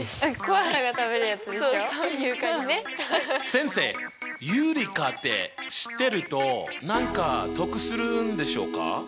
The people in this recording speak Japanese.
先生有理化って知ってると何かトクするんでしょうか？